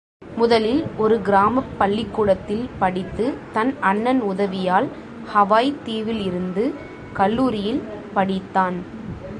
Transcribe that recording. முதலில் ஒரு கிராமப் பள்ளிக்கூடத்தில் படித்து தன் அண்ணன் உதவியால் ஹவாய் தீவில் இருந்து கல்லூரியில் படித்தான்.